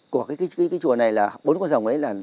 của cái chùa này là bốn con rồng ấy là